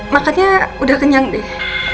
makannya udah kenyang deh